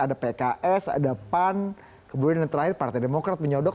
ada pks ada pan kemudian yang terakhir partai demokrat menyodok